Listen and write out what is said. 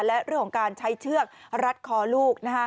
และเรื่องของการใช้เชือกรัดคอลูก